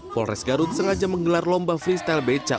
pores garut sengaja menggelar lomba freestyle beca